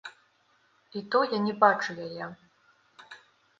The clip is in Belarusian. І то я не бачу яе.